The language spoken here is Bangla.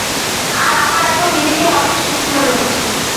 আর আমার এখন নিজেকে অনেক সুখী মনে হচ্ছে।